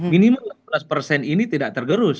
minimal enam belas ini tidak tergerus